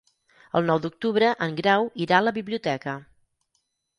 El nou d'octubre en Grau irà a la biblioteca.